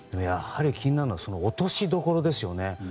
やはり気になるのは落としどころですよね。